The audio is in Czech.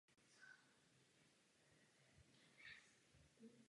Společnost má dlouhodobé zkušenosti ve třech hlavních oblastech podnikání.